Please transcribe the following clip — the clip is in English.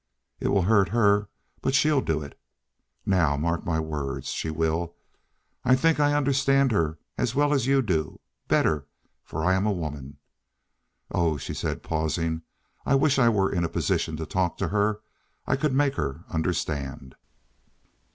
It will hurt her, but she'll do it. Now, mark you my words, she will. I think I understand her as well as you do—better—for I am a woman. Oh," she said, pausing, "I wish I were in a position to talk to her. I could make her understand."